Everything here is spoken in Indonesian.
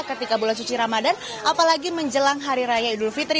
ketika bulan suci ramadan apalagi menjelang hari raya idul fitri